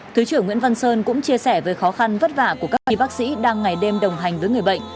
thứ trưởng nguyễn văn sơn cũng chia sẻ về khó khăn vất vả của các y bác sĩ đang ngày đêm đồng hành với người bệnh